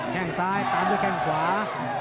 แค่งซ้ายตามด้วยแข้งขวา